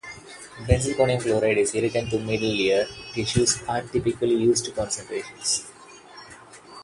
Benzalkonium chloride is irritant to middle ear tissues at typically used concentrations.